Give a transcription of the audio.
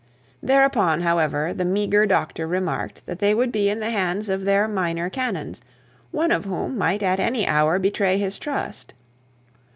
Thereupon, however, the meagre doctor remarked that they would be in the hands of their minor canons, one of whom might at any hour betray his trust.